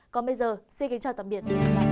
còn bây giờ xin kính chào tạm biệt